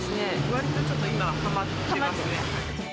わりとちょっと今、はまってますね。